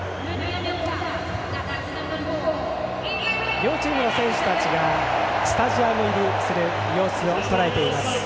両チームの選手たちがスタジアム入りする様子をとらえています。